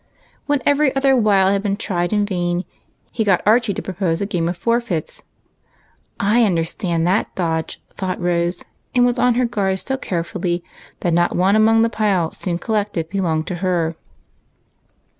When every other wile had been tried in vain, he got Archie to propose a game with for feits. " I understand that dodge," thought Rose, and was on her guard so carefully that not one among the pile soon collected belonged to her.